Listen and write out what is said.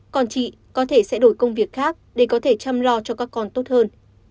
còn chị có thể sẽ đổi công việc khác để có thể chăm lo cho các con tốt hơn